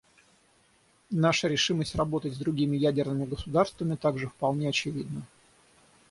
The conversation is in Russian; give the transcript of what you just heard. Наша решимость работать с другими ядерными государствами также вполне очевидна.